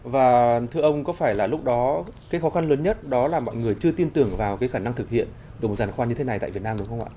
và thưa ông có phải là lúc đó cái khó khăn lớn nhất đó là mọi người chưa tin tưởng vào cái khả năng thực hiện đổi giàn khoan như thế này tại việt nam đúng không ạ